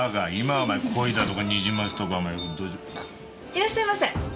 いらっしゃいませ。